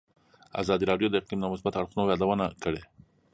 ازادي راډیو د اقلیم د مثبتو اړخونو یادونه کړې.